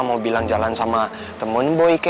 mau bilang jalan sama temen boy kayaknya